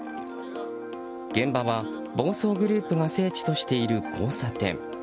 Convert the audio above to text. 現場は暴走グループが聖地としている交差点。